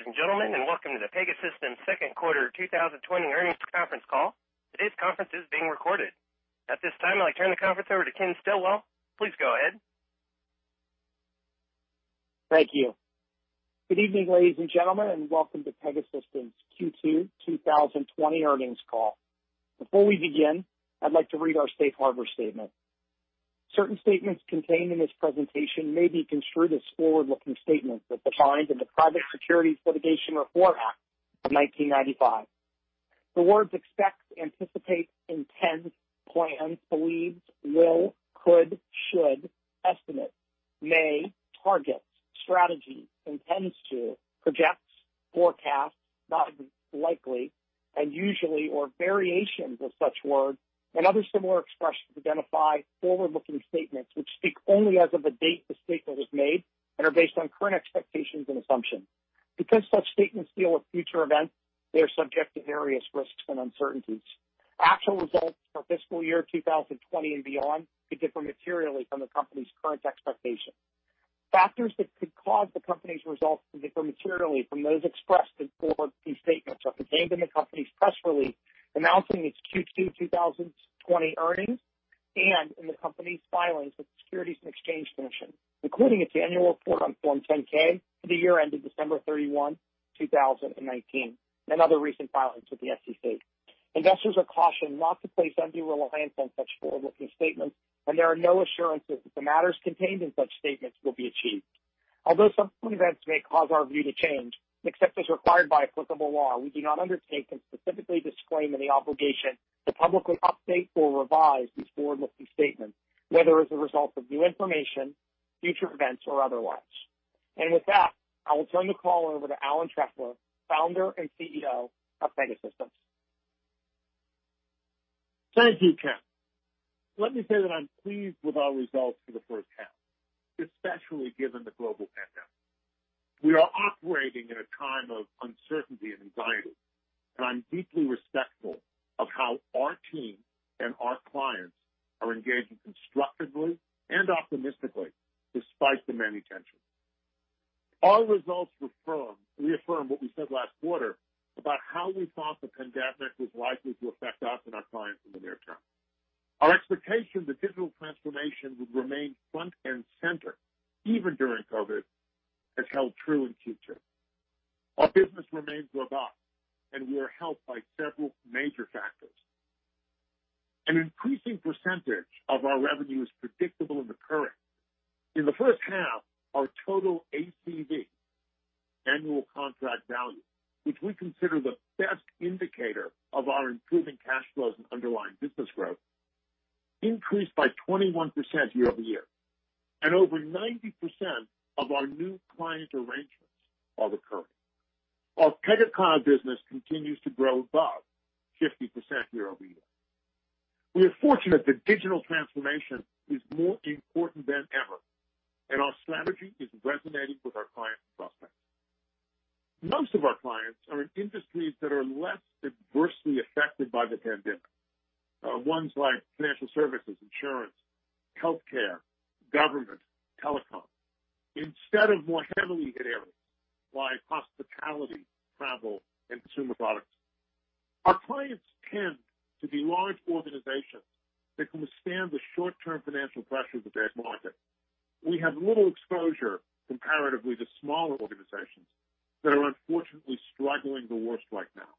Good day, ladies and gentlemen, and welcome to the Pegasystems second quarter 2020 earnings conference call. Today's conference is being recorded. At this time, I'd like to turn the conference over to Ken Stillwell. Please go ahead. Thank you. Good evening, ladies and gentlemen, welcome to Pegasystems Q2 2020 earnings call. Before we begin, I'd like to read our safe harbor statement. Certain statements contained in this presentation may be construed as forward-looking statements that define the Private Securities Litigation Reform Act of 1995. The words "expect," "anticipate," "intend," "plan," "believe," "will," "could," "should," "estimate," "may," "target," "strategy," "intends to," "projects," "forecast," "likely," and "usually," or variations of such words and other similar expressions identify forward-looking statements, which speak only as of the date the statement was made and are based on current expectations and assumptions. Such statements deal with future events, they are subject to various risks and uncertainties. Actual results for fiscal year 2020 and beyond could differ materially from the company's current expectations. Factors that could cause the company's results to differ materially from those expressed in forward-looking statements are contained in the company's press release announcing its Q2 2020 earnings and in the company's filings with the Securities and Exchange Commission, including its annual report on Form 10-K for the year ended December 31, 2019, and other recent filings with the SEC. Investors are cautioned not to place undue reliance on such forward-looking statements, and there are no assurances that the matters contained in such statements will be achieved. Although some events may cause our view to change, except as required by applicable law, we do not undertake and specifically disclaim any obligation to publicly update or revise these forward-looking statements, whether as a result of new information, future events, or otherwise. With that, I will turn the call over to Alan Trefler, Founder and CEO of Pegasystems. Thank you, Ken. Let me say that I'm pleased with our results for the first half, especially given the global pandemic. We are operating in a time of uncertainty and anxiety, and I'm deeply respectful of how our team and our clients are engaging constructively and optimistically despite the many tensions. Our results reaffirm what we said last quarter about how we thought the pandemic was likely to affect us and our clients in the near term. Our expectation that digital transformation would remain front and center, even during COVID, has held true in Q2. Our business remains robust, and we are helped by several major factors. An increasing percentage of our revenue is predictable and recurring. In the first half, our total ACV, annual contract value, which we consider the best indicator of our improving cash flows and underlying business growth, increased by 21% year-over-year, and over 90% of our new client arrangements are recurring. Our Pega Cloud business continues to grow above 50% year-over-year. We are fortunate that digital transformation is more important than ever, and our strategy is resonating with our clients and prospects. Most of our clients are in industries that are less adversely affected by the pandemic. Ones like financial services, insurance, healthcare, government, telecom, instead of more heavily hit areas like hospitality, travel, and consumer products. Our clients tend to be large organizations that can withstand the short-term financial pressures of bear market. We have little exposure comparatively to smaller organizations that are unfortunately struggling the worst right now.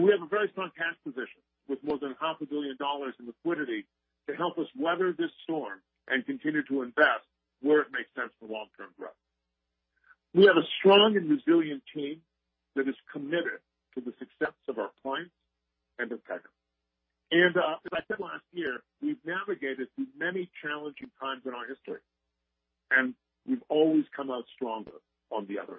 We have a very strong cash position with more than $500 million in liquidity to help us weather this storm and continue to invest where it makes sense for long-term growth. We have a strong and resilient team that is committed to the success of our clients and of Pega. As I said last year, we've navigated through many challenging times in our history, and we've always come out stronger on the other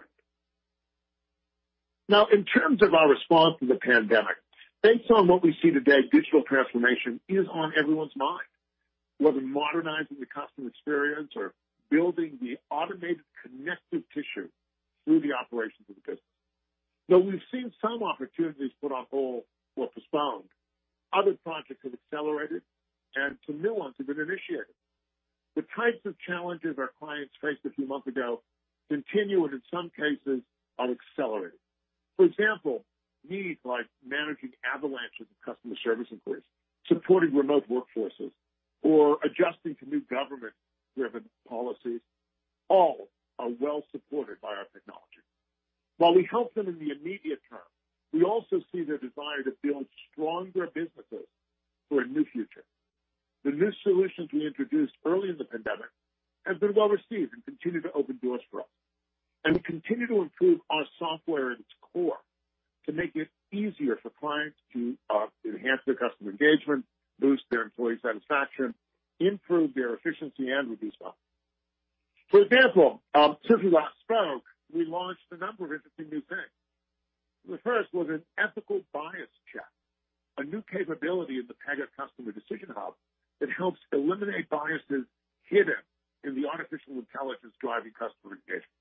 end. In terms of our response to the pandemic, based on what we see today, digital transformation is on everyone's mind. Whether modernizing the customer experience or building the automated connective tissue through the operations of the business. We've seen some opportunities put on hold or postponed, other projects have accelerated, and some new ones have been initiated. The types of challenges our clients faced a few months ago continue and in some cases are accelerating. For example, needs like managing avalanches of customer service inquiries, supporting remote workforces, or adjusting to new government-driven policies, all are well supported by our technology. While we help them in the immediate term, we also see the desire to build stronger businesses for a new future. The new solutions we introduced early in the pandemic have been well-received and continue to open doors for us. We continue to improve our software at its core to make it easier for clients to enhance their customer engagement, boost their employee satisfaction, improve their efficiency, and reduce costs. For example, since we last spoke, we launched a number of interesting new things. The first was an Ethical Bias Check, a new capability in the Pega Customer Decision Hub that helps eliminate biases hidden in the artificial intelligence driving customer engagement.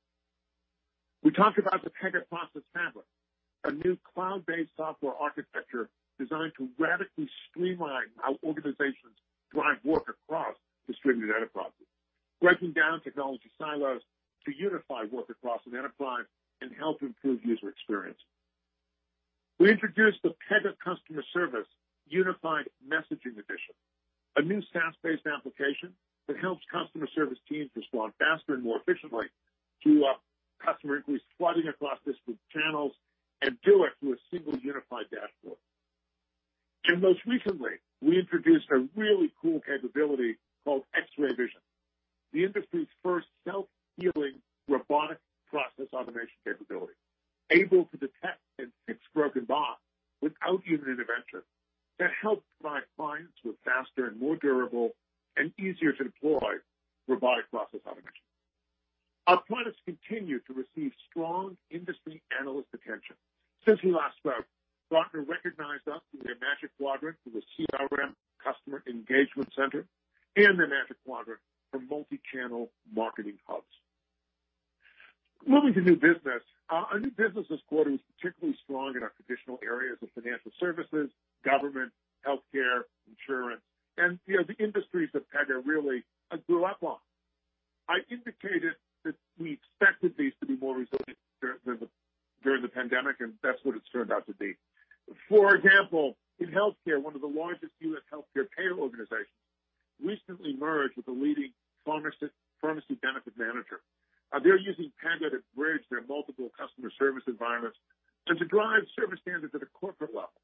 We talked about the Pega Process Fabric, a new cloud-based software architecture designed to radically streamline how organizations drive work across distributed enterprises, breaking down technology silos to unify work across an enterprise and help improve user experience. We introduced the Pega Customer Service Unified Messaging Edition, a new SaaS-based application that helps customer service teams respond faster and more efficiently to customer inquiries flooding across disparate channels and do it through a single unified dashboard. Most recently, we introduced a really cool capability called X-ray Vision, the industry's first self-healing robotic process automation capability, able to detect and fix broken bots without human intervention. That helps provide clients with faster and more durable and easier to deploy robotic process automation. Our products continue to receive strong industry analyst attention. Since we last spoke, Gartner recognized us in their Magic Quadrant for the CRM Customer Engagement Center and their Magic Quadrant for Multichannel Marketing Hubs. Moving to new business. Our new business this quarter was particularly strong in our traditional areas of financial services, government, healthcare, insurance, and the industries that Pega really grew up on. I indicated that we expected these to be more resilient during the pandemic, and that's what it's turned out to be. For example, in healthcare, one of the largest U.S. healthcare payer organizations recently merged with a leading pharmacy benefit manager. They're using Pega to bridge their multiple customer service environments and to drive service standards at a corporate level.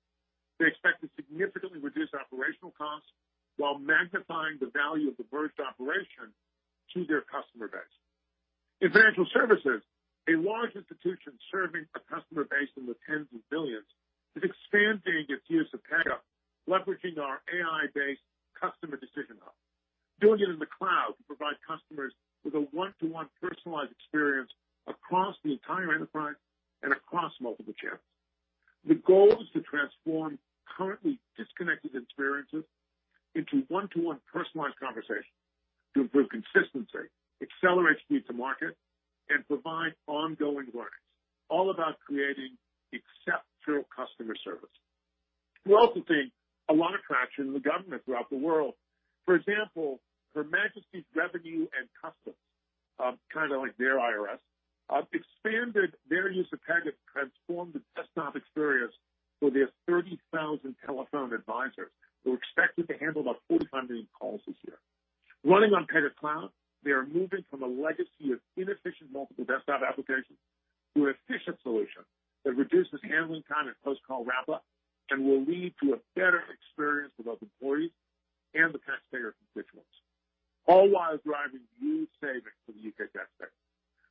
They expect to significantly reduce operational costs while magnifying the value of the merged operation to their customer base. In financial services, a large institution serving a customer base in the tens of billions is expanding its use of Pega, leveraging our AI-based Customer Decision Hub. Doing it in the cloud to provide customers with a one-to-one personalized experience across the entire enterprise and across multiple channels. The goal is to transform currently disconnected experiences into one-to-one personalized conversations to improve consistency, accelerate speed to market, and provide ongoing learnings, all about creating exceptional customer service. We're also seeing a lot of traction with government throughout the world. For example, Her Majesty's Revenue and Customs, kind of like their IRS, expanded their use of Pega to transform the desktop experience for their 30,000 telephone advisors, who are expected to handle about 45 million calls this year. Running on Pega Cloud, they are moving from a legacy of inefficient multiple desktop applications to an efficient solution that reduces handling time and post-call wrap-up and will lead to a better experience for both employees and the taxpayer constituents, all while driving huge savings for the U.K. taxpayer.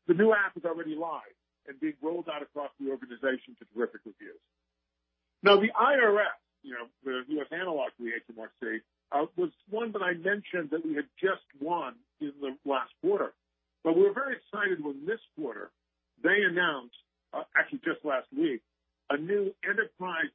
The new app is already live and being rolled out across the organization to terrific reviews. The IRS, the U.S. analog to the HMRC, was one that I mentioned that we had just won in the last quarter. We were very excited when this quarter, they announced, actually just last week, a new enterprise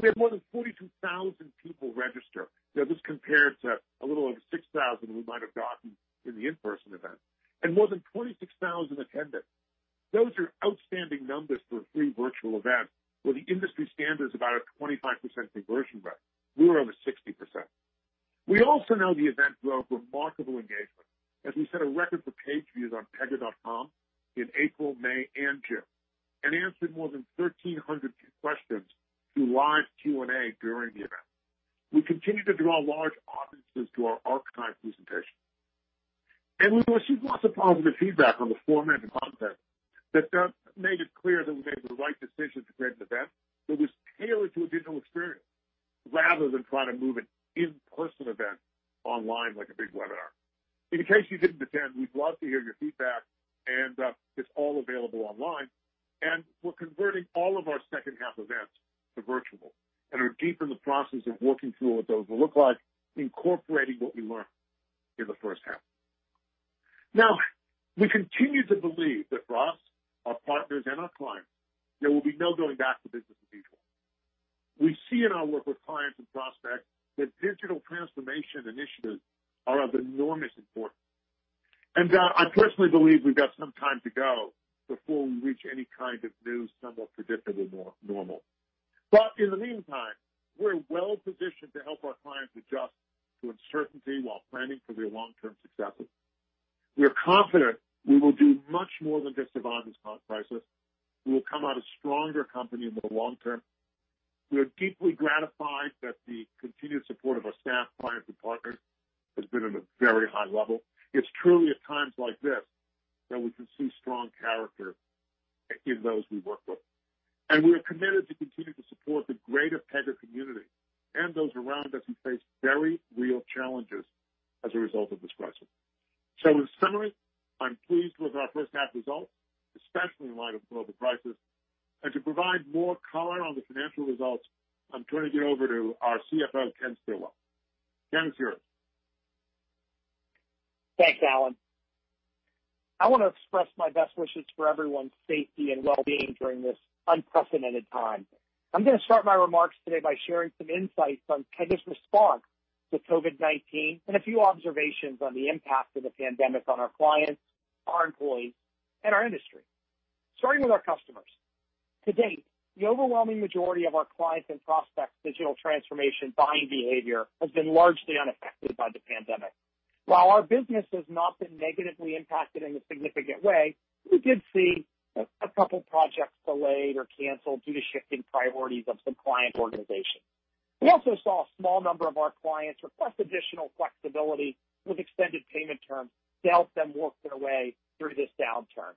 We had more than 42,000 people register. This compares to a little over 6,000 we might have gotten in the in-person event. More than 26,000 attended. Those are outstanding numbers for a free virtual event, where the industry standard is about a 25% conversion rate. We were over 60%. We also know the event drove remarkable engagement, as we set a record for page views on pega.com in April, May, and June, and answered more than 1,300 questions through live Q&A during the event. We continue to draw large audiences to our archived presentations. We received lots of positive feedback on the format and content that made it clear that we made the right decision to create an event that was tailored to a digital experience rather than trying to move an in-person event online like a big webinar. In case you didn't attend, we'd love to hear your feedback, and it's all available online, and we're converting all of our second-half events to virtual and are deep in the process of working through what those will look like, incorporating what we learned in the first half. Now, we continue to believe that for us, our partners, and our clients, there will be no going back to business as usual. We see in our work with clients and prospects that digital transformation initiatives are of enormous importance. I personally believe we've got some time to go before we reach any kind of new, somewhat predictable normal. In the meantime, we're well-positioned to help our clients adjust to uncertainty while planning for their long-term successes. We are confident we will do much more than just survive this crisis. We will come out a stronger company in the long term. We are deeply gratified that the continued support of our staff, clients, and partners has been at a very high level. It's truly at times like this that we can see strong character in those we work with. We are committed to continue to support the greater Pega community and those around us who face very real challenges as a result of this crisis. In summary, I'm pleased with our first-half results, especially in light of the global crisis. To provide more color on the financial results, I'm turning it over to our CFO, Ken Stillwell. The floor is yours. Thanks, Alan. I want to express my best wishes for everyone's safety and well-being during this unprecedented time. I'm going to start my remarks today by sharing some insights on Pega's response to COVID-19 and a few observations on the impact of the pandemic on our clients, our employees, and our industry. Starting with our customers. To date, the overwhelming majority of our clients' and prospects' digital transformation buying behavior has been largely unaffected by the pandemic. While our business has not been negatively impacted in a significant way, we did see a couple projects delayed or canceled due to shifting priorities of some client organizations. We also saw a small number of our clients request additional flexibility with extended payment terms to help them work their way through this downturn.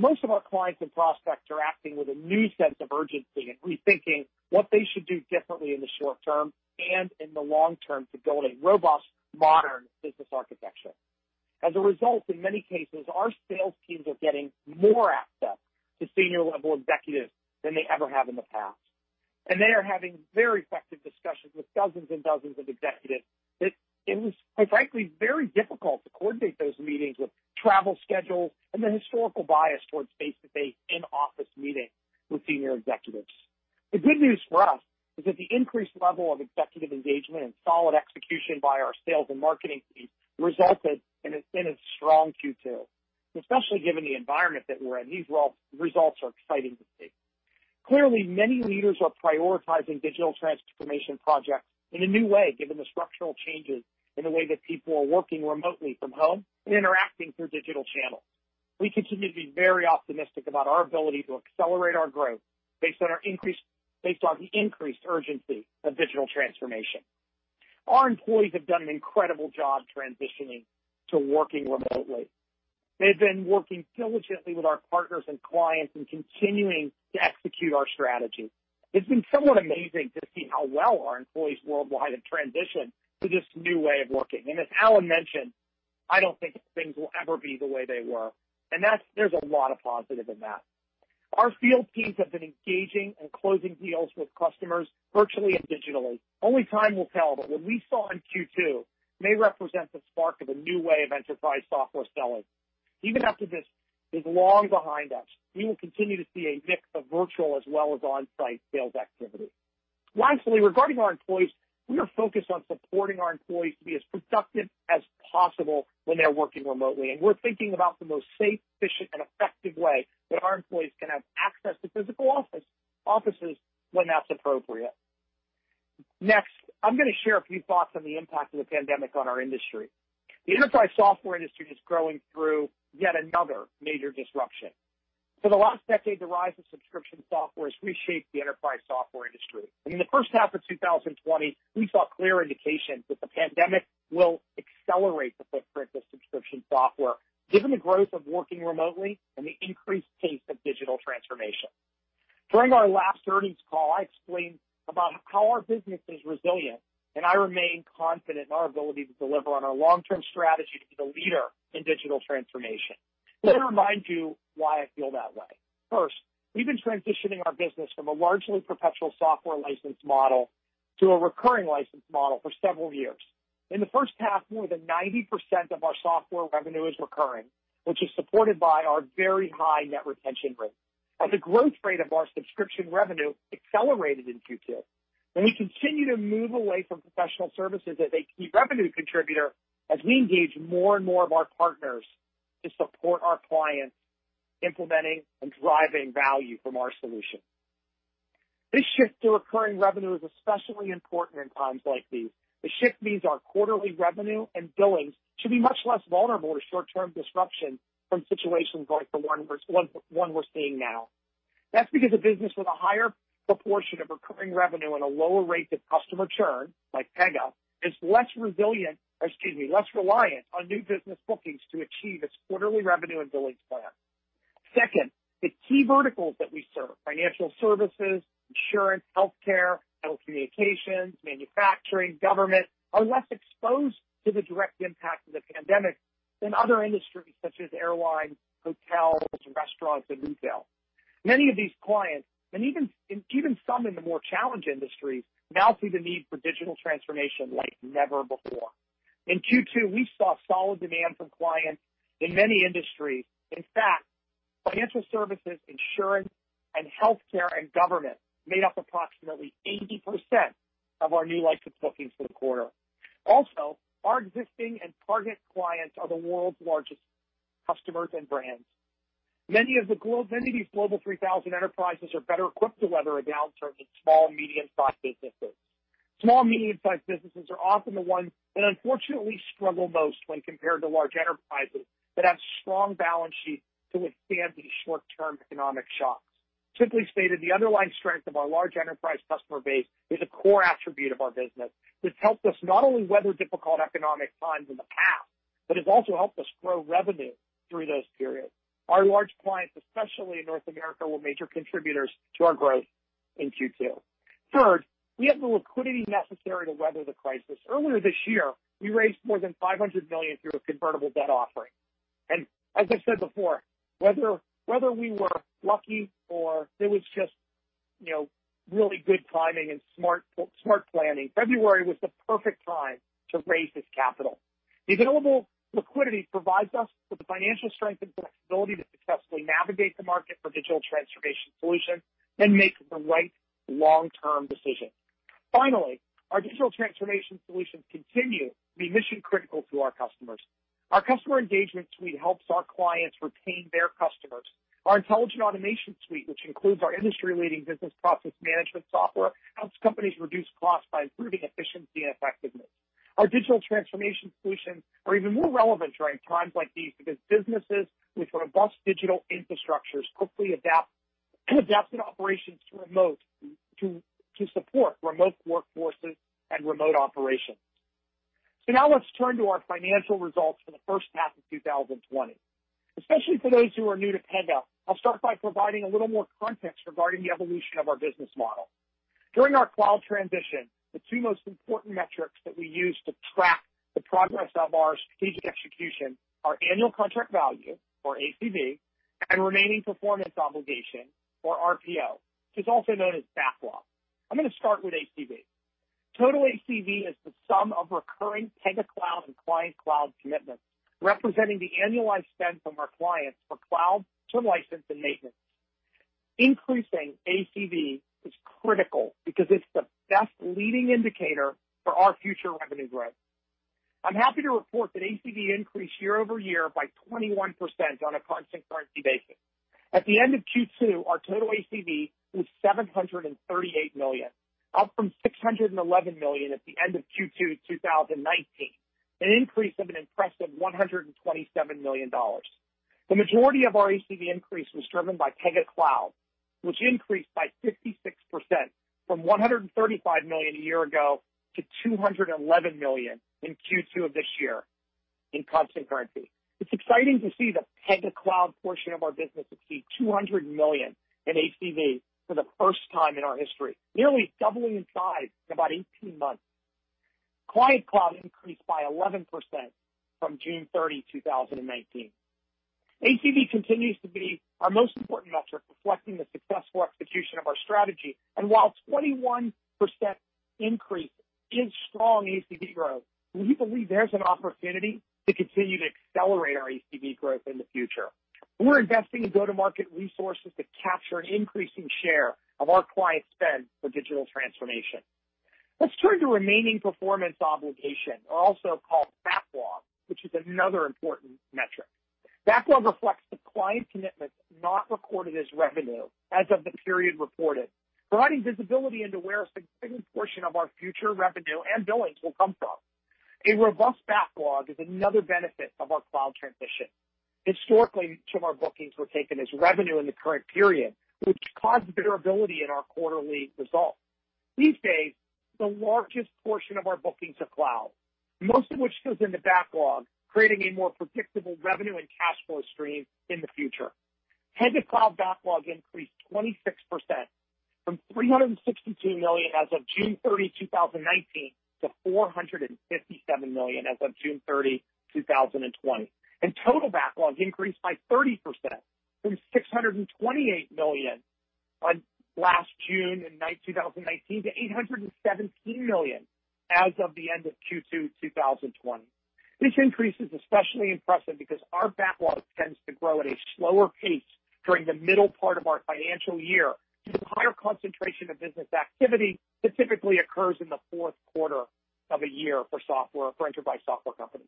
Most of our clients and prospects are acting with a new sense of urgency and rethinking what they should do differently in the short term and in the long term to build a robust, modern business architecture. As a result, in many cases, our sales teams are getting more access to senior-level executives than they ever have in the past. They are having very effective discussions with dozens and dozens of executives that it was, quite frankly, very difficult to coordinate those meetings with travel schedules and the historical bias towards face-to-face in-office meetings with senior executives. The good news for us is that the increased level of executive engagement and solid execution by our sales and marketing teams resulted in a strong Q2. Especially given the environment that we're in, these results are exciting to see. Clearly, many leaders are prioritizing digital transformation projects in a new way, given the structural changes in the way that people are working remotely from home and interacting through digital channels. We continue to be very optimistic about our ability to accelerate our growth based on the increased urgency of digital transformation. Our employees have done an incredible job transitioning to working remotely. They've been working diligently with our partners and clients in continuing to execute our strategy. It's been somewhat amazing to see how well our employees worldwide have transitioned to this new way of working. As Alan mentioned, I don't think things will ever be the way they were. There's a lot of positive in that. Our field teams have been engaging and closing deals with customers virtually and digitally. Only time will tell. What we saw in Q2 may represent the spark of a new way of enterprise software selling. Even after this is long behind us, we will continue to see a mix of virtual as well as on-site sales activity. Lastly, regarding our employees, we are focused on supporting our employees to be as productive as possible when they're working remotely. We're thinking about the most safe, efficient, and effective way that our employees can have access to physical offices when that's appropriate. Next, I'm going to share a few thoughts on the impact of the pandemic on our industry. The enterprise software industry is going through yet another major disruption. For the last decade, the rise of subscription software has reshaped the enterprise software industry. In the first half of 2020, we saw clear indications that the pandemic will accelerate the footprint of subscription software given the growth of working remotely and the increased pace of digital transformation. During our last earnings call, I explained about how our business is resilient, and I remain confident in our ability to deliver on our long-term strategy to be the leader in digital transformation. Let me remind you why I feel that way. First, we've been transitioning our business from a largely perpetual software license model to a recurring license model for several years. In the first half, more than 90% of our software revenue is recurring, which is supported by our very high net retention rate. As the growth rate of our subscription revenue accelerated in Q2, and we continue to move away from professional services as a key revenue contributor as we engage more and more of our partners to support our clients implementing and driving value from our solution. This shift to recurring revenue is especially important in times like these. The shift means our quarterly revenue and billings should be much less vulnerable to short-term disruption from situations like the one we're seeing now. That's because a business with a higher proportion of recurring revenue and a lower rate of customer churn, like Pega, is less reliant on new business bookings to achieve its quarterly revenue and billings plan. Second, the key verticals that we serve, financial services, insurance, healthcare, telecommunications, manufacturing, government, are less exposed to the direct impact of the pandemic than other industries such as airlines, hotels, restaurants, and retail. Many of these clients, and even some in the more challenged industries, now see the need for digital transformation like never before. In Q2, we saw solid demand from clients in many industries. In fact, financial services, insurance, and healthcare and government made up approximately 80% of our new license bookings for the quarter. Our existing and target clients are the world's largest customers and brands. Many of these Global 3000 enterprises are better equipped to weather a downturn than small and medium-sized businesses. Small and medium-sized businesses are often the ones that unfortunately struggle most when compared to large enterprises that have strong balance sheets to withstand these short-term economic shocks. Simply stated, the underlying strength of our large enterprise customer base is a core attribute of our business that's helped us not only weather difficult economic times in the past, but has also helped us grow revenue through those periods. Our large clients, especially in North America, were major contributors to our growth in Q2. Third, we have the liquidity necessary to weather the crisis. Earlier this year, we raised more than $500 million through a convertible debt offering. As I said before, whether we were lucky or it was just really good timing and smart planning, February was the perfect time to raise this capital. The available liquidity provides us with the financial strength and flexibility to successfully navigate the market for digital transformation solutions and make the right long-term decisions. Finally, our digital transformation solutions continue to be mission-critical to our customers. Our Customer Engagement Suite helps our clients retain their customers. Our Intelligent Automation Suite, which includes our industry-leading business process management software, helps companies reduce costs by improving efficiency and effectiveness. Our digital transformation solutions are even more relevant during times like these because businesses with robust digital infrastructures quickly adapt operations to support remote workforces and remote operations. Now let's turn to our financial results for the first half of 2020. Especially for those who are new to Pega, I'll start by providing a little more context regarding the evolution of our business model. During our cloud transition, the two most important metrics that we use to track the progress of our strategic execution are annual contract value, or ACV, and remaining performance obligation, or RPO, which is also known as backlog. I'm going to start with ACV. Total ACV is the sum of recurring Pega Cloud and Client Cloud commitments, representing the annualized spend from our clients for cloud term license and maintenance. Increasing ACV is critical because it's the best leading indicator for our future revenue growth. I'm happy to report that ACV increased year-over-year by 21% on a constant currency basis. At the end of Q2, our total ACV was $738 million, up from $611 million at the end of Q2 2019, an increase of an impressive $127 million. The majority of our ACV increase was driven by Pega Cloud, which increased by 56%, from $135 million a year ago to $211 million in Q2 of this year in constant currency. It's exciting to see the Pega Cloud portion of our business exceed $200 million in ACV for the first time in our history, nearly doubling in size in about 18 months. Client Cloud increased by 11% from June 30, 2019. ACV continues to be our most important metric reflecting the successful execution of our strategy. While 21% increase is strong ACV growth, we believe there's an opportunity to continue to accelerate our ACV growth in the future. We're investing in go-to-market resources to capture an increasing share of our client spend for digital transformation. Let's turn to remaining performance obligation, also called backlog, which is another important metric. Backlog reflects the client commitments not recorded as revenue as of the period reported, providing visibility into where a significant portion of our future revenue and billings will come from. A robust backlog is another benefit of our cloud transition. Historically, some of our bookings were taken as revenue in the current period, which caused variability in our quarterly results. These days, the largest portion of our bookings are cloud, most of which goes into backlog, creating a more predictable revenue and cash flow stream in the future. Pega Cloud backlog increased 26%, from $362 million as of June 30, 2019, to $457 million as of June 30, 2020. Total backlog increased by 30%, from $628 million as of June in 2019 to $817 million as of the end of Q2 2020. This increase is especially impressive because our backlog tends to grow at a slower pace during the middle part of our financial year, due to the higher concentration of business activity that typically occurs in the fourth quarter of a year for enterprise software companies.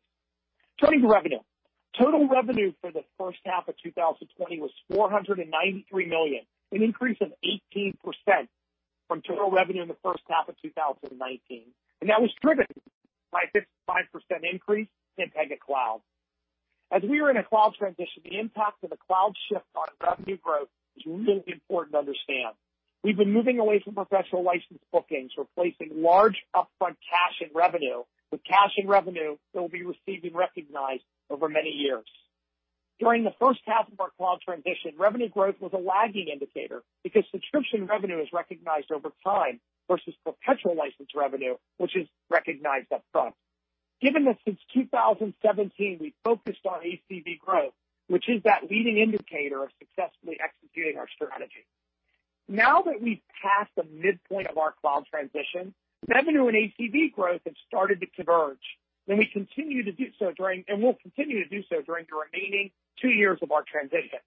Turning to revenue. Total revenue for the first half of 2020 was $493 million, an increase of 18% from total revenue in the first half of 2019. That was driven by a 55% increase in Pega Cloud. As we are in a cloud transition, the impact of the cloud shift on revenue growth is really important to understand. We've been moving away from perpetual license bookings, replacing large upfront cash and revenue with cash and revenue that will be received and recognized over many years. During the first half of our cloud transition, revenue growth was a lagging indicator because subscription revenue is recognized over time versus perpetual license revenue, which is recognized upfront. Given that since 2017, we've focused on ACV growth, which is that leading indicator of successfully executing our strategy. Now that we've passed the midpoint of our cloud transition, revenue and ACV growth have started to converge, and will continue to do so during the remaining two years of our transition.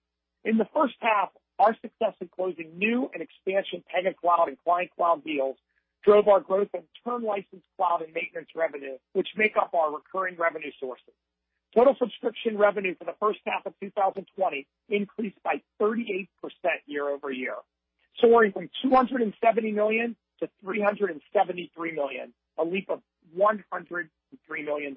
In the first half, our success in closing new and expansion Pega Cloud and Client Cloud deals drove our growth in term license cloud and maintenance revenue, which make up our recurring revenue sources. Total subscription revenue for the first half of 2020 increased by 38% year over year, soaring from $270 million to $373 million, a leap of $103 million.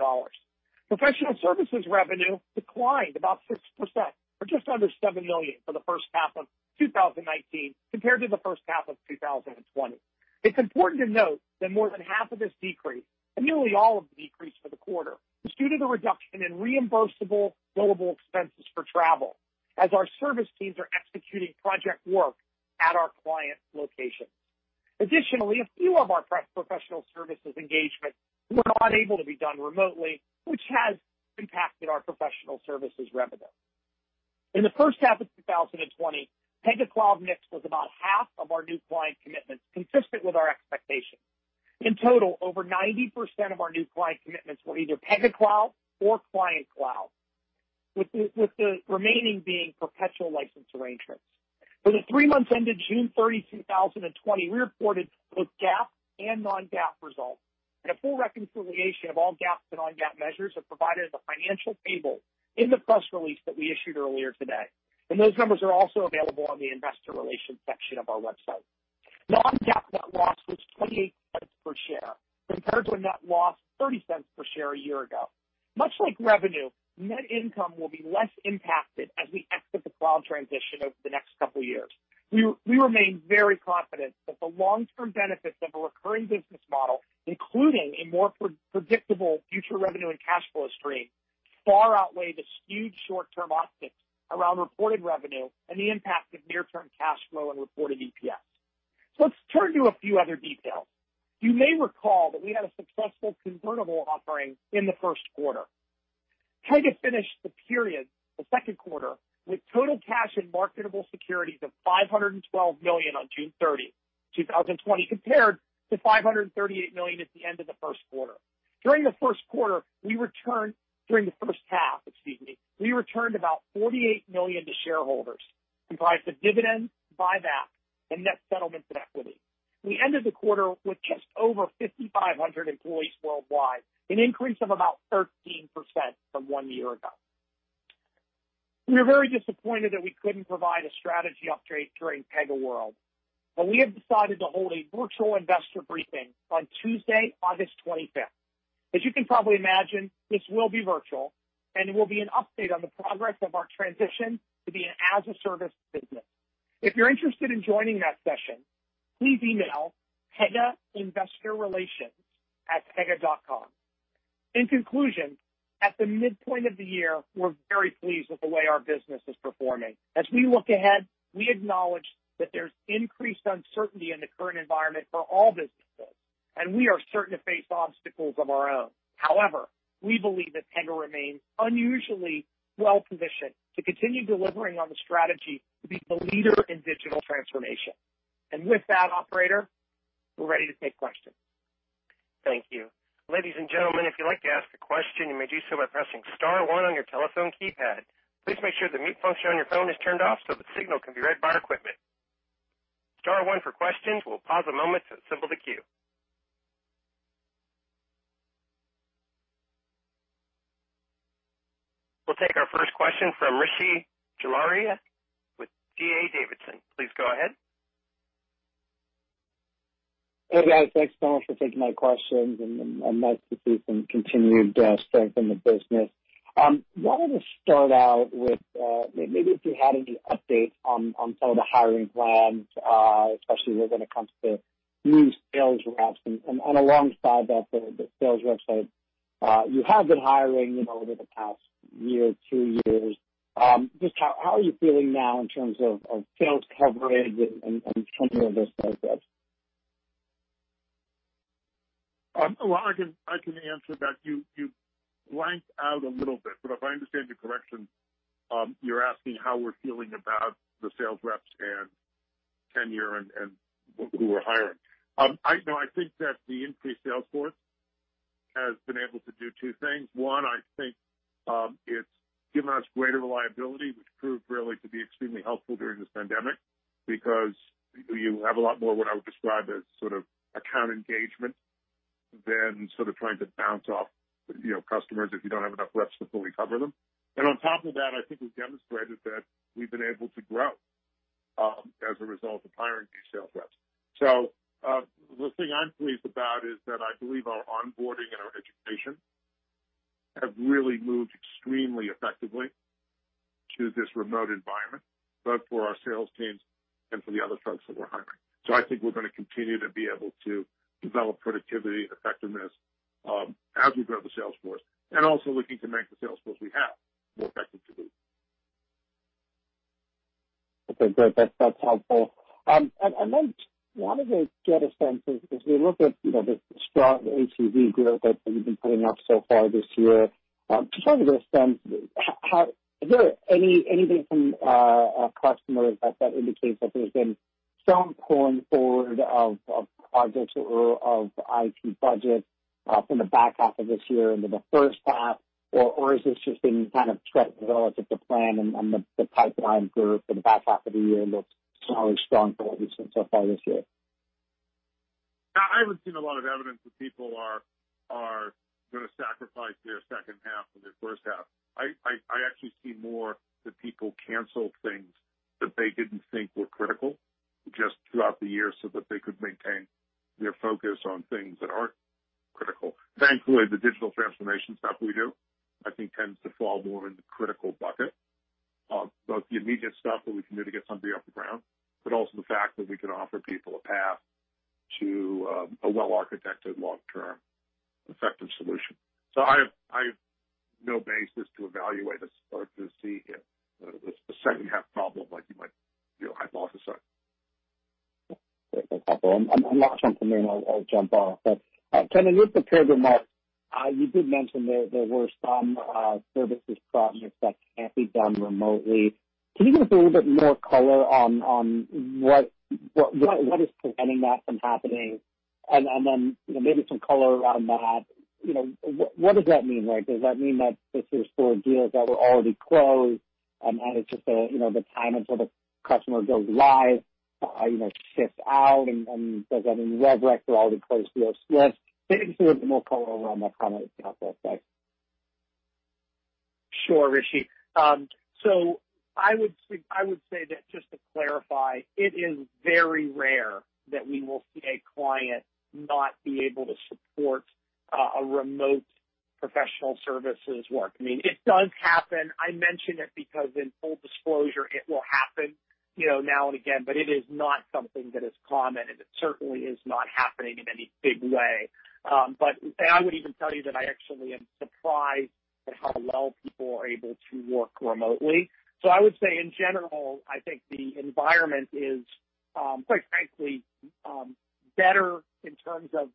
Professional services revenue declined about 6%, or just under $7 million for the first half of 2019 compared to the first half of 2020. It's important to note that more than half of this decrease, and nearly all of the decrease for the quarter, is due to the reduction in reimbursable billable expenses for travel as our service teams are executing project work at our client locations. Additionally, a few of our professional services engagements were unable to be done remotely, which has impacted our professional services revenue. In the first half of 2020, Pega Cloud mix was about half of our new client commitments, consistent with our expectations. In total, over 90% of our new client commitments were either Pega Cloud or Client Cloud, with the remaining being perpetual license arrangements. For the three months ended June 30, 2020, we reported both GAAP and non-GAAP results, and a full reconciliation of all GAAP and non-GAAP measures are provided in the financial table in the press release that we issued earlier today. Those numbers are also available on the investor relations section of our website. Non-GAAP net loss was $0.28 per share compared to a net loss of $0.30 per share a year ago. Much like revenue, net income will be less impacted as we exit the cloud transition over the next couple of years. We remain very confident that the long-term benefits of a recurring business model, including a more predictable future revenue and cash flow stream, far outweigh the skewed short-term optics around reported revenue and the impact of near-term cash flow and reported EPS. Let's turn to a few other details. You may recall that we had a successful convertible offering in the first quarter. Pega finished the period, the second quarter, with total cash and marketable securities of $512 million on June 30, 2020, compared to $538 million at the end of the first quarter. During the first half, excuse me, we returned about $48 million to shareholders, comprised of dividends, buyback, and net settlements and equity. We ended the quarter with just over 5,500 employees worldwide, an increase of about 13% from one year ago. We are very disappointed that we couldn't provide a strategy update during PegaWorld, We have decided to hold a virtual investor briefing on Tuesday, August 25th. As you can probably imagine, this will be virtual, and it will be an update on the progress of our transition to be an as-a-service business. If you're interested in joining that session, please email pegainvestorrelations@pega.com. In conclusion, at the midpoint of the year, we're very pleased with the way our business is performing. As we look ahead, we acknowledge that there's increased uncertainty in the current environment for all businesses. We are certain to face obstacles of our own. However, we believe that Pega remains unusually well-positioned to continue delivering on the strategy to be the leader in digital transformation. With that, operator, we're ready to take questions. Thank you. Ladies and gentlemen, if you'd like to ask a question, you may do so by pressing star one on your telephone keypad. Please make sure the mute function on your phone is turned off so the signal can be read by our equipment. Star one for questions. We'll pause a moment to assemble the queue. We'll take our first question from Rishi Jaluria with D.A. Davidson. Please go ahead. Hey, guys. Thanks so much for taking my questions, and I'm glad to see some continued strength in the business. Wanted to start out with, maybe if you had any updates on some of the hiring plans, especially when it comes to new sales reps, and alongside that, the sales reps that you have been hiring over the past year, two years. Just how are you feeling now in terms of sales coverage and some of those types of things? I can answer that. You blanked out a little bit, but if I understand your correction, you're asking how we're feeling about the sales reps and tenure and who we're hiring. I think that the increased sales force has been able to do two things. One, I think it's given us greater reliability, which proved really to be extremely helpful during this pandemic because you have a lot more of what I would describe as account engagement than trying to bounce off customers if you don't have enough reps to fully cover them. On top of that, I think we've demonstrated that we've been able to grow as a result of hiring new sales reps. The thing I'm pleased about is that I believe our onboarding and our education have really moved extremely effectively to this remote environment, both for our sales teams and for the other folks that we're hiring. I think we're going to continue to be able to develop productivity and effectiveness as we grow the sales force, and also looking to make the sales force we have more effective, too. Okay, great. That's helpful. Just wanted to get a sense of, as we look at the strong ACV growth that you've been putting up so far this year, just wanted to get a sense, is there anything from customers that indicates that there's been some pulling forward of projects or of IT budgets from the back half of this year into the first half? Is this just been kind of tracked relative to plan and the pipeline growth for the back half of the year looks strong for what we've seen so far this year? I haven't seen a lot of evidence that people are going to sacrifice their second half for their first half. I actually see more that people cancel things that they didn't think were critical just throughout the year so that they could maintain their focus on things that are critical. Thankfully, the digital transformation stuff we do, I think, tends to fall more in the critical bucket of both the immediate stuff that we can do to get somebody off the ground, but also the fact that we can offer people a path to a well-architected long-term effective solution. I have no basis to evaluate or to see if there's a second-half problem like you might hypothesize. Great. That's helpful. I'll ask something then I'll jump off. Ken, in your prepared remarks, you did mention there were some services projects that can't be done remotely. Can you give us a little bit more color on what is preventing that from happening and then maybe some color around that? What does that mean? Does that mean that this is for deals that were already closed, and it's just the time until the customer goes live, shifts out, and does that mean rev rec for all the closed deals? Just if you could give some more color around that comment about that. Sure, Rishi. I would say that just to clarify, it is very rare that we will see a client not be able to support a remote professional services work. It does happen. I mention it because in full disclosure, it will happen now and again, but it is not something that is common, and it certainly is not happening in any big way. I would even tell you that I actually am surprised at how well people are able to work remotely. I would say, in general, I think the environment is, quite frankly, better in terms of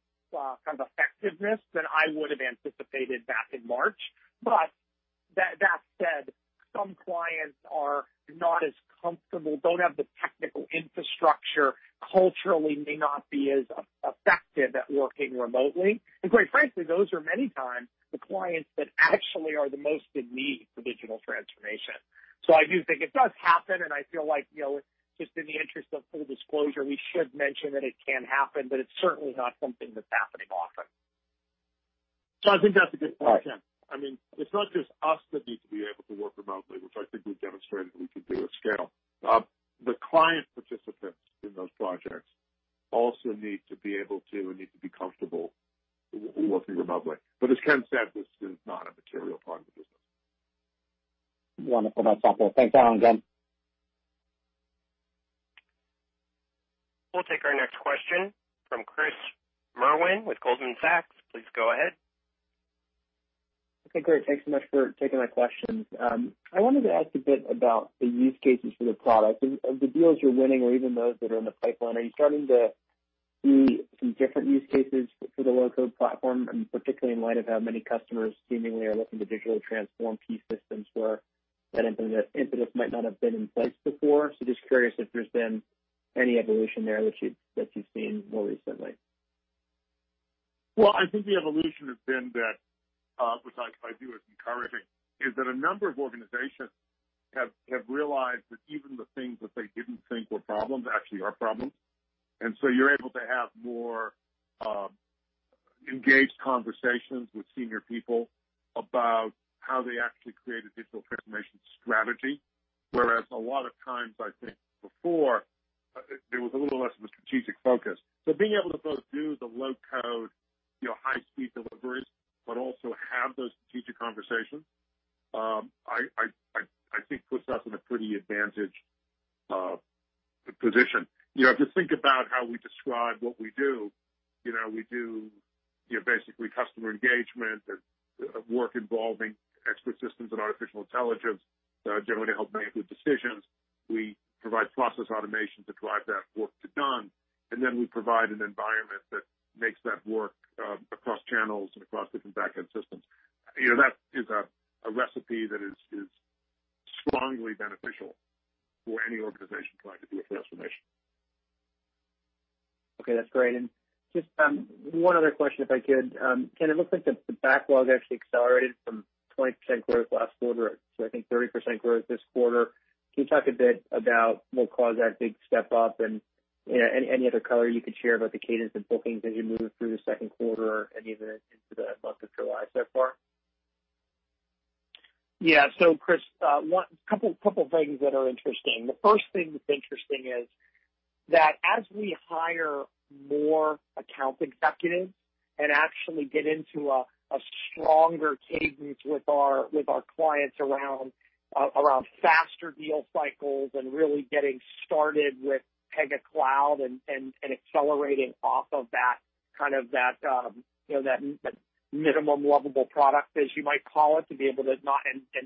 effectiveness than I would have anticipated back in March. That said, some clients are not as comfortable, don't have the technical infrastructure, culturally may not be as effective at working remotely. Quite frankly, those are many times the clients that actually are the most in need for digital transformation. I do think it does happen, and I feel like just in the interest of full disclosure, we should mention that it can happen, but it's certainly not something that's happening often. I think that's a good point, Ken. It's not just us that need to be able to work remotely, which I think we've demonstrated we can do at scale. The client participants in those projects also need to be able to and need to be comfortable working remotely. As Ken said, this is not a material part of the business. Wonderful. That's helpful. Thanks, Alan, Ken. We'll take our next question from Chris Merwin with Goldman Sachs. Please go ahead. Okay, great. Thanks so much for taking my questions. I wanted to ask a bit about the use cases for the product. Of the deals you're winning or even those that are in the pipeline, are you starting to see some different use cases for the low-code platform, and particularly in light of how many customers seemingly are looking to digitally transform key systems where that impetus might not have been in place before? Just curious if there's been any evolution there that you've seen more recently. Well, I think the evolution has been that, which I view as encouraging, is that a number of organizations have realized that even the things that they didn't think were problems actually are problems. You're able to have more engaged conversations with senior people about how they actually create a digital transformation strategy. Whereas a lot of times, I think before, there was a little less of a strategic focus. Being able to both do the low-code, high-speed deliveries, but also have those strategic conversations I think puts us in a pretty advantaged position. If you think about how we describe what we do, we do basically customer engagement and work involving expert systems and artificial intelligence to generally help make good decisions. We provide process automation to drive that work to done, then we provide an environment that makes that work across channels and across different back-end systems. That is a recipe that is strongly beneficial for any organization trying to do a transformation. Okay, that's great. Just one other question if I could. Ken, it looks like the backlog actually accelerated from 20% growth last quarter to, I think, 30% growth this quarter. Can you talk a bit about what caused that big step up and any other color you could share about the cadence of bookings as you move through the second quarter and even into the month of July so far? Yeah. Chris, a couple of things that are interesting. The first thing that's interesting is that as we hire more account executives and actually get into a stronger cadence with our clients around faster deal cycles and really getting started with Pega Cloud and accelerating off of that minimum lovable product, as you might call it, to be able to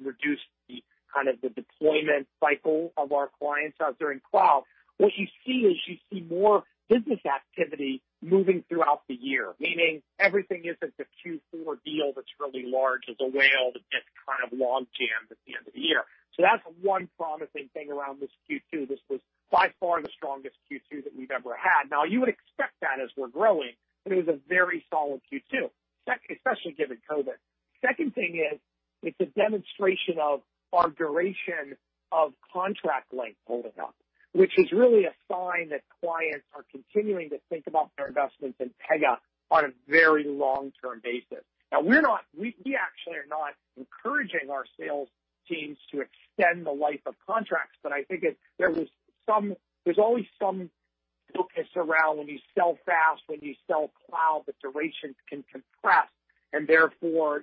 reduce the deployment cycle of our clients out there in cloud. What you see is you see more business activity moving throughout the year, meaning everything isn't a Q4 deal that's really large. It's a whale that gets kind of logged in at the end of the year. That's one promising thing around this Q2. This was by far the strongest Q2 that we've ever had. Now, you would expect that as we're growing, but it was a very solid Q2, especially given COVID. Second thing is it's a demonstration of our duration of contract length holding up, which is really a sign that clients are continuing to think about their investments in Pega on a very long-term basis. We actually are not encouraging our sales teams to extend the life of contracts. I think there's always some focus around when you sell fast, when you sell cloud, the durations can compress and therefore,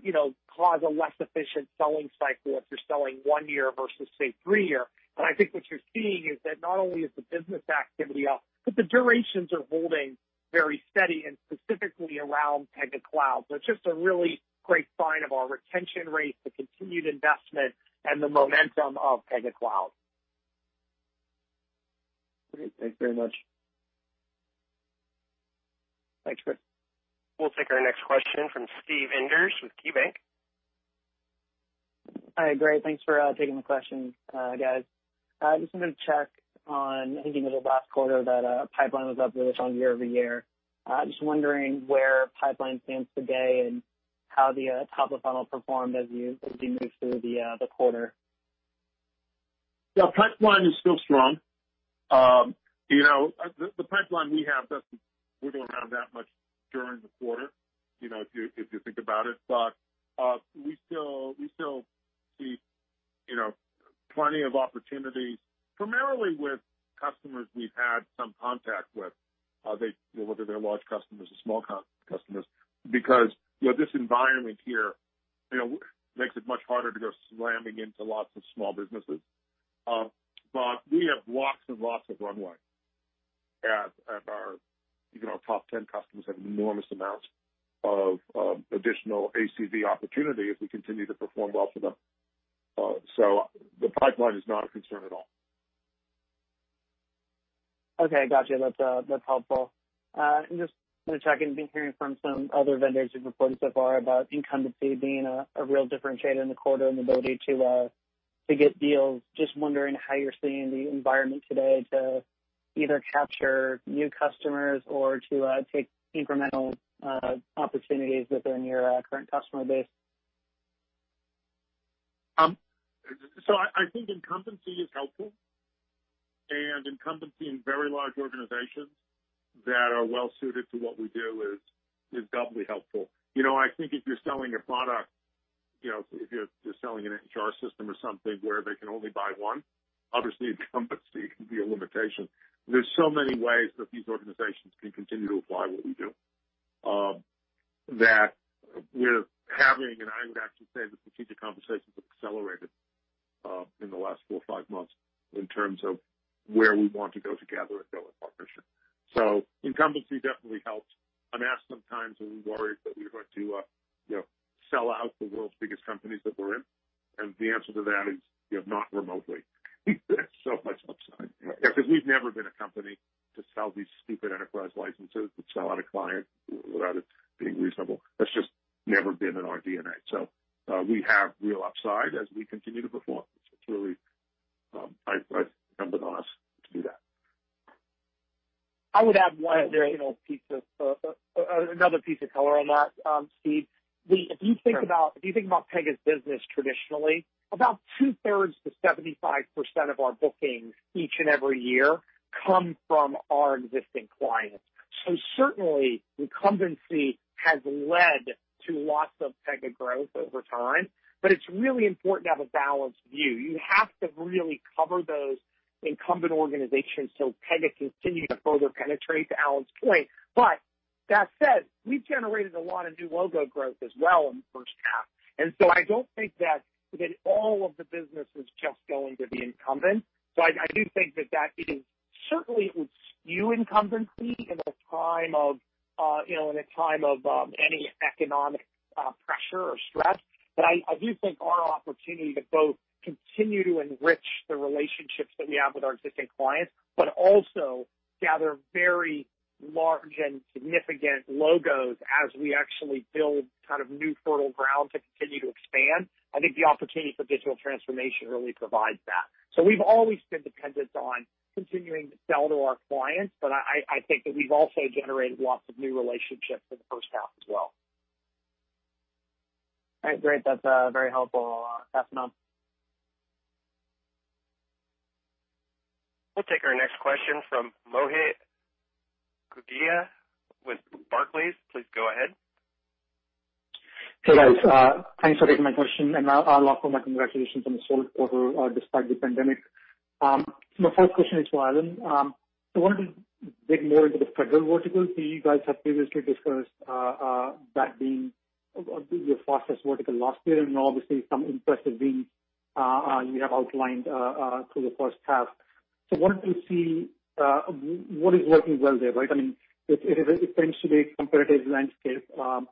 cause a less efficient selling cycle if you're selling one year versus, say, three year. I think what you're seeing is that not only is the business activity up, but the durations are holding very steady and specifically around Pega Cloud. It's just a really great sign of our retention rates, the continued investment, and the momentum of Pega Cloud. Great. Thanks very much. Thanks, Chris. We'll take our next question from Steve Enders with KeyBanc. Hi, great. Thanks for taking the question, guys. I just wanted to check on, I think it was last quarter that pipeline was up really strong year-over-year. Just wondering where pipeline stands today and how the top of funnel performed as you moved through the quarter. Yeah, pipeline is still strong. The pipeline we have doesn't wiggle around that much during the quarter, if you think about it. We still see plenty of opportunities, primarily with customers we've had some contact with, whether they're large customers or small customers. This environment here makes it much harder to go slamming into lots of small businesses. We have lots and lots of runway as our top 10 customers have enormous amounts of additional ACV opportunity if we continue to perform well for them. The pipeline is not a concern at all. Okay, got you. That's helpful. Just checking, been hearing from some other vendors who've reported so far about incumbency being a real differentiator in the quarter and the ability to get deals. Just wondering how you're seeing the environment today to either capture new customers or to take incremental opportunities within your current customer base? I think incumbency is helpful, and incumbency in very large organizations that are well suited to what we do is doubly helpful. I think if you're selling a product, if you're selling an HR system or something where they can only buy one, obviously incumbency can be a limitation. There's so many ways that these organizations can continue to apply what we do, that we're having, and I would actually say the strategic conversations have accelerated in the last four or five months in terms of where we want to go together and build a partnership. Incumbency definitely helps. I'm asked sometimes are we worried that we're going to sell out the world's biggest companies that we're in, and the answer to that is not remotely. There's so much upside. We've never been a company to sell these stupid enterprise licenses that sell out a client without it being reasonable. That's just never been in our DNA. We have real upside as we continue to perform. It's clearly incumbent on us to do that. I would add another piece of color on that, Steve. If you think about Pega's business traditionally, about two-thirds to 75% of our bookings each and every year come from our existing clients. Certainly, incumbency has led to lots of Pega growth over time, but it's really important to have a balanced view. You have to really cover those incumbent organizations so Pega can continue to further penetrate, to Alan's point. That said, we've generated a lot of new logo growth as well in the first half. I don't think that all of the business is just going to the incumbent. I do think that that is certainly it would skew incumbency in a time of any economic pressure or stress. I do think our opportunity to both continue to enrich the relationships that we have with our existing clients, but also gather very large and significant logos as we actually build new fertile ground to continue to expand. I think the opportunity for digital transformation really provides that. We've always been dependent on continuing to sell to our clients. I think that we've also generated lots of new relationships in the first half as well. All right, great. That's very helpful, Ken. We'll take our next question from Mohit Gogia with Barclays. Please go ahead. Hey, guys. Thanks for taking my question, and I'll offer my congratulations on the solid quarter, despite the pandemic. My first question is for Alan. I wanted to dig more into the federal vertical. You guys have previously discussed that being your fastest vertical last year, and obviously some impressive wins you have outlined through the first half. Wanted to see what is working well there, right? I mean, it seems to be a competitive landscape, not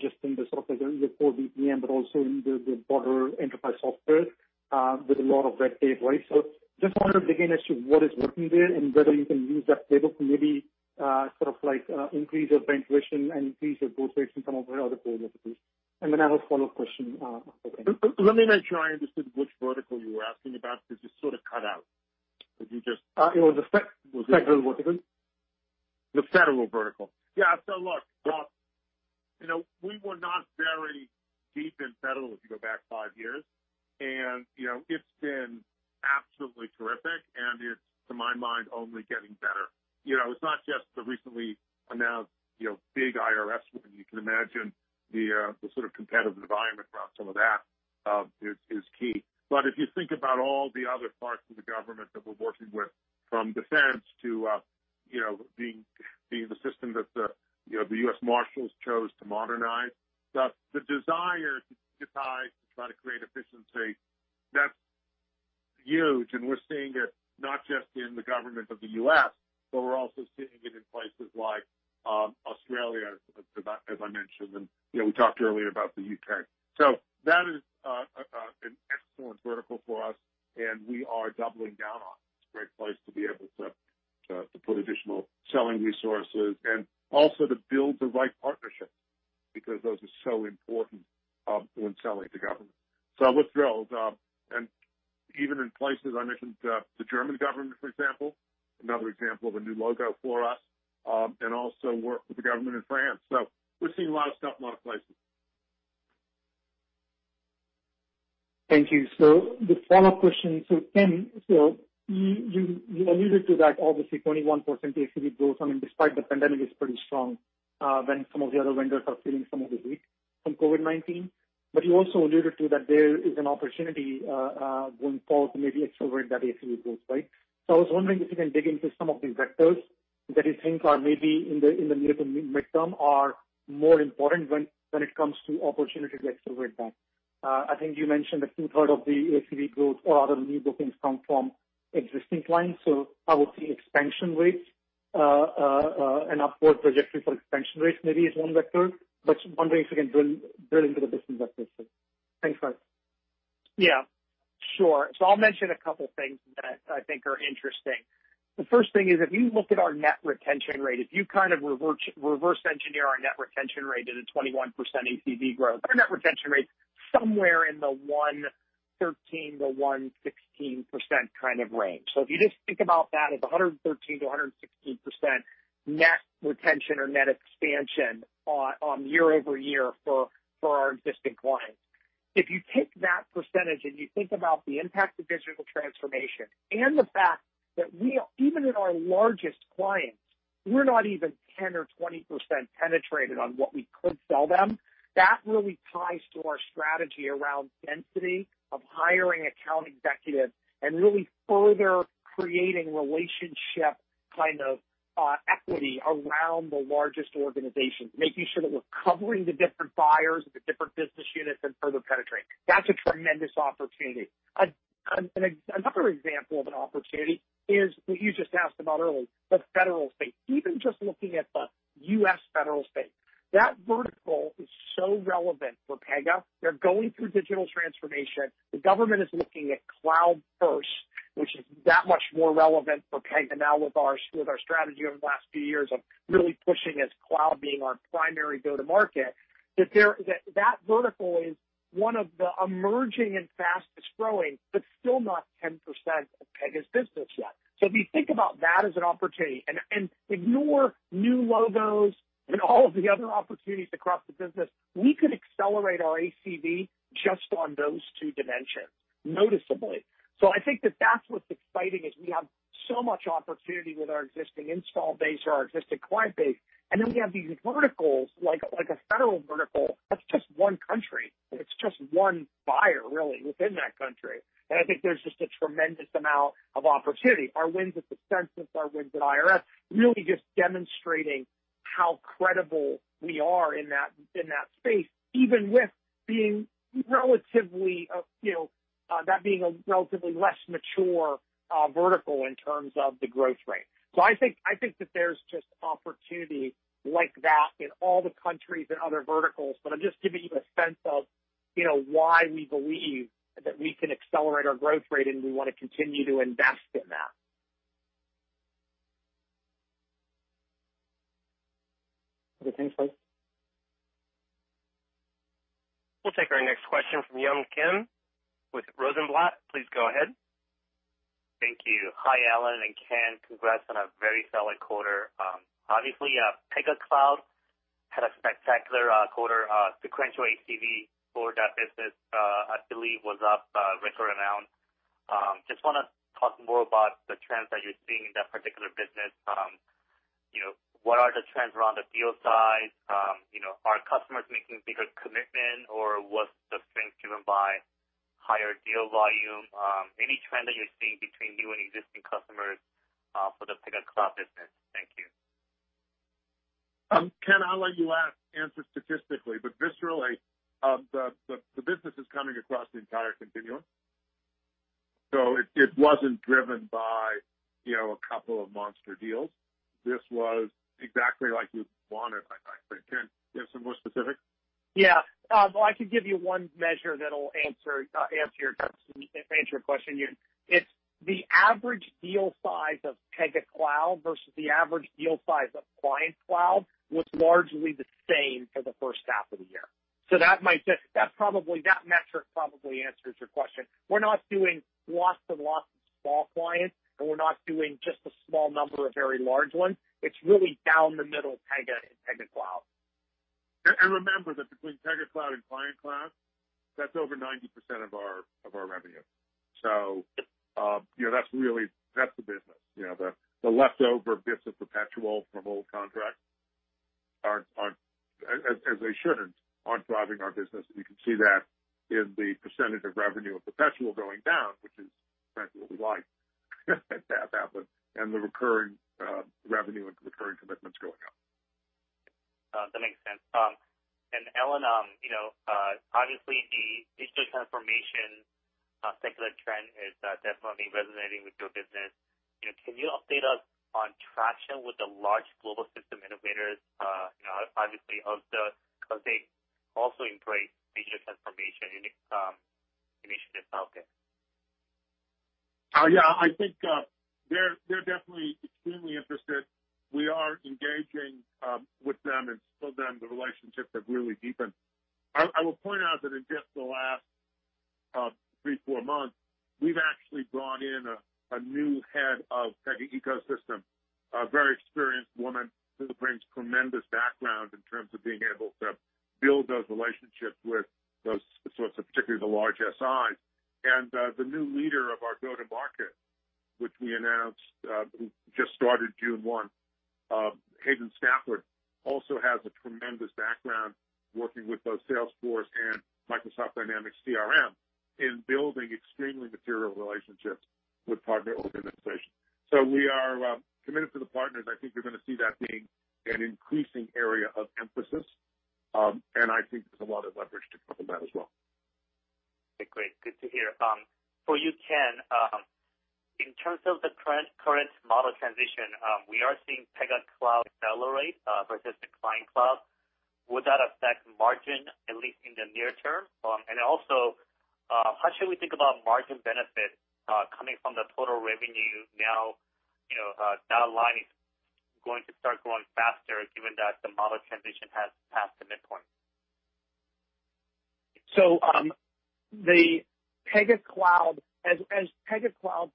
just in the software, the core BPM, but also in the broader enterprise software with a lot of red tape, right? Just wanted to dig in as to what is working there and whether you can use that playbook to maybe increase your penetration and increase your go-to-market in some of your other priorities. I have a follow-up question for Ken. Let me make sure I understood which vertical you were asking about, because you sort of cut out. Did you just- It was the federal vertical. The Federal vertical. Yeah. Look, we were not very deep in Federal if you go back five years. It's been absolutely terrific, and it's, to my mind, only getting better. It's not just the recently announced big IRS win. You can imagine the sort of competitive environment around some of that is key. If you think about all the other parts of the government that we're working with, from defense to being the system that the U.S. Marshals chose to modernize. The desire to digitize, to try to create efficiency, that's huge. We're seeing it not just in the government of the U.S., but we're also seeing it in places like Australia, as I mentioned, and we talked earlier about the U.K. That is an excellent vertical for us, and we are doubling down on it. It's a great place to be able to put additional selling resources and also to build the right partnerships, because those are so important when selling to government. I'm thrilled. Even in places I mentioned, the German government, for example, another example of a new logo for us, and also work with the government in France. We're seeing a lot of stuff in a lot of places. Thank you. The follow-up question. Ken, you alluded to that obviously 21% ACV growth, I mean, despite the pandemic, is pretty strong when some of the other vendors are feeling some of the heat from COVID-19. You also alluded to that there is an opportunity going forward to maybe accelerate that ACV growth, right? I was wondering if you can dig into some of the vectors that you think are maybe in the near to midterm are more important when it comes to opportunities to accelerate that. I think you mentioned that two-third of the ACV growth or other new bookings come from existing clients. I would say expansion rates, an upward trajectory for expansion rates maybe is one vector. Wondering if you can drill into the business vectors. Thanks, guys. Yeah, sure. I'll mention two things that I think are interesting. The first thing is, if you look at our net retention rate, if you reverse engineer our net retention rate at a 21% ACV growth, our net retention rate is somewhere in the 113%-116% kind of range. If you just think about that as 113%-116% net retention or net expansion on year-over-year for our existing clients. If you take that percentage and you think about the impact of digital transformation and the fact that we, even in our largest clients, we're not even 10% or 20% penetrated on what we could sell them. That really ties to our strategy around density of hiring account executives and really further creating relationship equity around the largest organizations, making sure that we're covering the different buyers at the different business units and further penetrating. That's a tremendous opportunity. Another example of an opportunity is what you just asked about earlier, the federal space. Even just looking at the U.S. federal space, that vertical is so relevant for Pega. They're going through digital transformation. The government is looking at cloud first, which is that much more relevant for Pega now with our strategy over the last few years of really pushing as cloud being our primary go-to-market. That vertical is one of the emerging and fastest-growing, but still not 10% of Pega's business yet. If you think about that as an opportunity and ignore new logos and all of the other opportunities across the business, we could accelerate our ACV just on those two dimensions noticeably. I think that's what's exciting is we have so much opportunity with our existing install base or our existing client base, we have these verticals like a federal vertical, that's just one country, and it's just one buyer, really, within that country. I think there's just a tremendous amount of opportunity. Our wins at the Census, our wins at the IRS, really just demonstrating how credible we are in that space, even with that being a relatively less mature vertical in terms of the growth rate. I think that there's just opportunity like that in all the countries and other verticals, but I'm just giving you a sense of why we believe that we can accelerate our growth rate, and we want to continue to invest in that. Other things, please. We'll take our next question from Yun Kim with Rosenblatt. Please go ahead. Thank you. Hi, Alan and Ken. Congrats on a very solid quarter. Obviously, Pega Cloud had a spectacular quarter. Sequential ACV for that business, I believe, was up record amounts. Just want to talk more about the trends that you're seeing in that particular business. What are the trends around the deal size? Are customers making bigger commitments, or was the strength driven by higher deal volume? Any trend that you're seeing between new and existing customers for the Pega Cloud business? Thank you. Ken, I'll let you answer statistically, viscerally, the business is coming across the entire continuum. It wasn't driven by a couple of monster deals. This was exactly like we wanted, I think. Ken, you have something more specific? Yeah. Well, I can give you one measure that'll answer your question, Yun. It's the average deal size of Pega Cloud versus the average deal size of Client Cloud was largely the same for the first half of the year. That metric probably answers your question. We're not doing lots and lots of small clients, and we're not doing just a small number of very large ones. It's really down the middle of Pega and Pega Cloud. Remember that between Pega Cloud and Client Cloud, that's over 90% of our revenue. That's the business. The leftover bits of perpetual from old contracts, as they shouldn't, aren't driving our business. You can see that in the percentage of revenue of perpetual going down, which is exactly what we like to have happen, and the recurring revenue and recurring commitments going up. That makes sense. Alan, obviously the digital transformation secular trend is definitely resonating with your business. Can you update us on traction with the large global system innovators, obviously as they also embrace digital transformation initiatives out there? Yeah. I think they're definitely extremely interested. We are engaging with them and some of them the relationships have really deepened. I will point out that in just the last three, four months, we've actually brought in a new head of Pega Ecosystem. A very experienced woman who brings tremendous background in terms of being able to build those relationships with those sorts of, particularly the large SIs. The new leader of our go-to-market, which we announced just started June 1st, Hayden Stafford, also has a tremendous background working with both Salesforce and Microsoft Dynamics CRM in building extremely material relationships with partner organizations. We are committed to the partners. I think you're going to see that being an increasing area of emphasis. I think there's a lot of leverage to come from that as well. Okay, great. Good to hear. For you, Ken, in terms of the current model transition, we are seeing Pega Cloud accelerate versus the Client Cloud. Would that affect margin at least in the near term? How should we think about margin benefit coming from the total revenue now that line is going to start growing faster given that the model transition has passed the midpoint? As Pega Cloud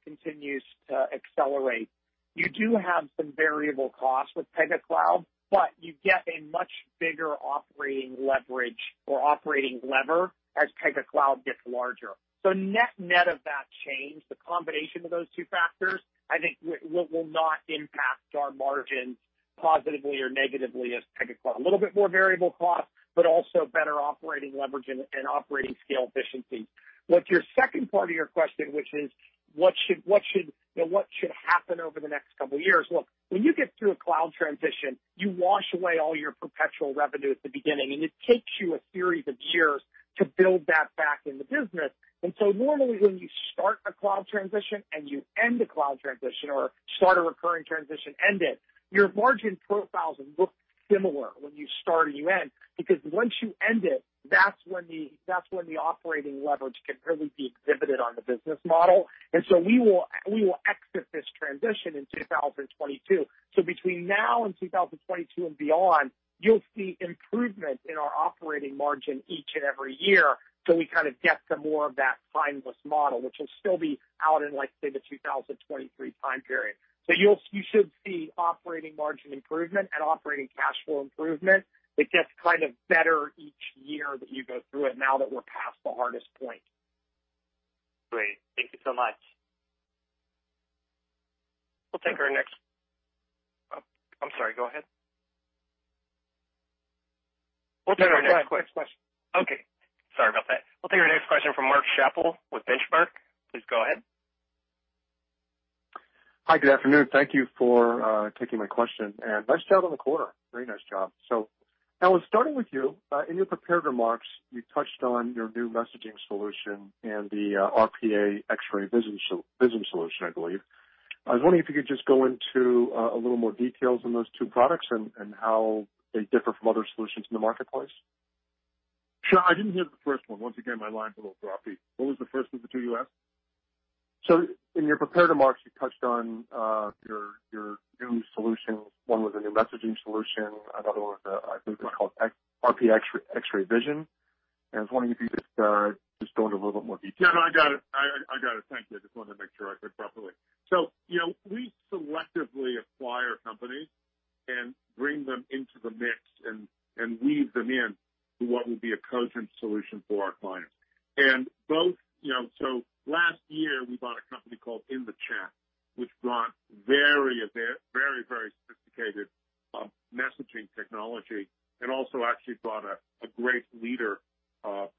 continues to accelerate, you do have some variable costs with Pega Cloud, but you get a much bigger operating leverage or operating lever as Pega Cloud gets larger. Net net of that change, the combination of those two factors, I think will not impact our margins positively or negatively as Pega Cloud. A little bit more variable cost, but also better operating leverage and operating scale efficiency. With your second part of your question, which is what should happen over the next couple of years. When you get through a cloud transition, you wash away all your perpetual revenue at the beginning, and it takes you a series of years to build that back in the business. Normally, when you start a cloud transition and you end a cloud transition or start a recurring transition, end it, your margin profiles look similar when you start and you end, because once you end it, that's when the operating leverage can really be exhibited on the business model. We will exit this transition in 2022. Between now and 2022 and beyond, you'll see improvement in our operating margin each and every year till we kind of get to more of that timeless model, which will still be out in, let's say, the 2023 time period. You should see operating margin improvement and operating cash flow improvement that gets kind of better each year that you go through it now that we're past the hardest point. Great. Thank you so much. We'll take our next question. Okay. Sorry about that. We'll take our next question from Mark Schappel with Benchmark. Please go ahead. Hi. Good afternoon. Thank you for taking my question, and nice job on the quarter. Very nice job. Alan, starting with you. In your prepared remarks, you touched on your new messaging solution and the RPA X-ray Vision solution, I believe. I was wondering if you could just go into a little more details on those two products and how they differ from other solutions in the marketplace. Sure. I didn't hear the first one. Once again, my line's a little choppy. What was the first of the two you asked? In your prepared remarks, you touched on your new solutions. One was a new messaging solution, another one I think was called RPA X-ray Vision. I was wondering if you could just go into a little bit more detail? Yeah, no, I got it. Thank you. I just wanted to make sure I heard properly. We selectively acquire companies and bring them into the mix and weave them in to what would be a cogent solution for our clients. Last year, we bought a company called In The Chat, which brought very sophisticated messaging technology and also actually brought a great leader,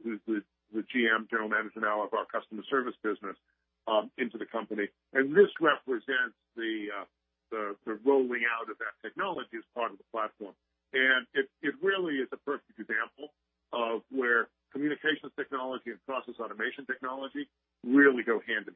who's the GM, General Manager now of our customer service business, into the company. This represents the rolling out of that technology as part of the platform. It really is a perfect example of where communications technology and process automation technology really go hand in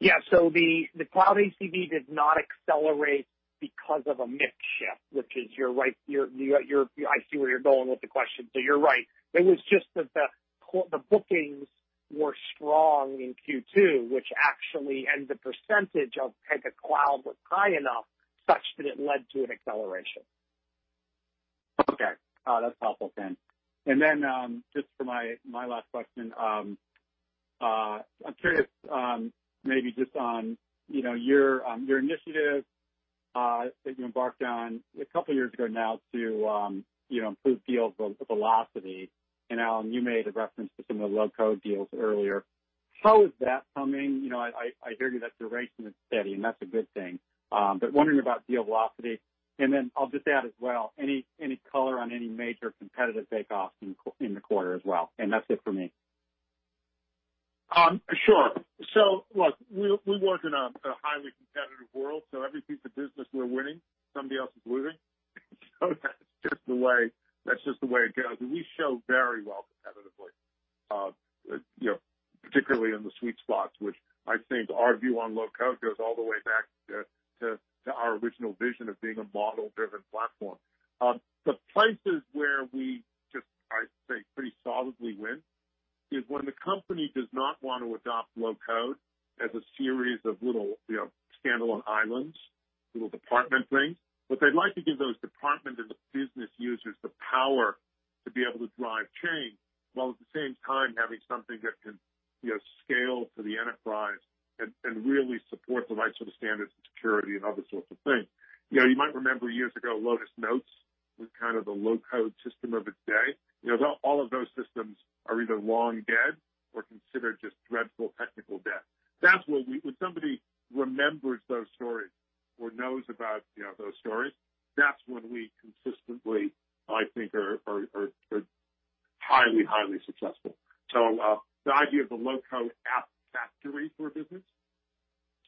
Yeah. The cloud ACV did not accelerate because of a mix shift, which is you're right. I see where you're going with the question. You're right. It was just that the bookings were strong in Q2, and the percentage of Pega Cloud was high enough such that it led to an acceleration. Okay. That's helpful, Ken. Then, just for my last question. I'm curious, maybe just on your initiative that you embarked on a couple of years ago now to improve deal velocity. Alan, you made a reference to some of the low-code deals earlier. How is that coming? I hear you that the rate is steady, and that's a good thing. Wondering about deal velocity, then I'll just add as well, any color on any major competitive takeoffs in the quarter as well? That's it for me. Sure. Look, we work in a highly competitive world, so every piece of business we're winning, somebody else is losing. That's just the way it goes. We show very well competitively, particularly in the sweet spots, which I think our view on low code goes all the way back to our original vision of being a model-driven platform. The places where we just, I'd say, pretty solidly win is when the company does not want to adopt low code as a series of little standalone islands, little department things. They'd like to give those departments and the business users the power to be able to drive change while at the same time having something that can scale to the enterprise and really support the right sort of standards and security and other sorts of things. You might remember years ago, Lotus Notes was kind of the low-code system of its day. All of those systems are either long dead or considered just dreadful technical debt. When somebody remembers those stories or knows about those stories, that's when we consistently, I think, are highly successful. The idea of the low-code app factory for a business.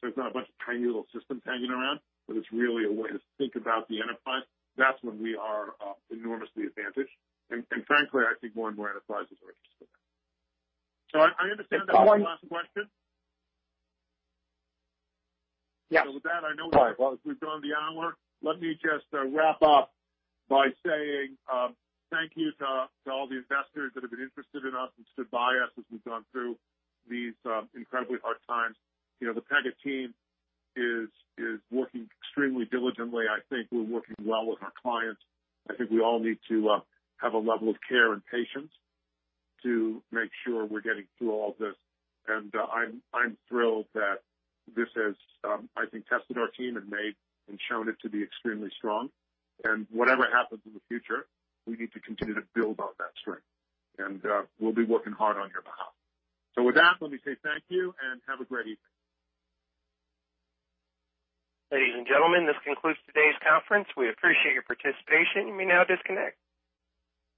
There's not a bunch of tiny little systems hanging around, but it's really a way to think about the enterprise. That's when we are enormously advantaged. Frankly, I think more and more enterprises are interested in that. I understand that was the last question. Yeah. With that, I know we've gone the hour. Let me just wrap up by saying thank you to all the investors that have been interested in us and stood by us as we've gone through these incredibly hard times. The Pega team is working extremely diligently. I think we're working well with our clients. I think we all need to have a level of care and patience to make sure we're getting through all of this. I'm thrilled that this has, I think, tested our team and shown it to be extremely strong. Whatever happens in the future, we need to continue to build on that strength. We'll be working hard on your behalf. With that, let me say thank you, and have a great evening. Ladies and gentlemen, this concludes today's conference. We appreciate your participation. You may now disconnect.